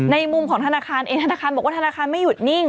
มุมของธนาคารเองธนาคารบอกว่าธนาคารไม่หยุดนิ่ง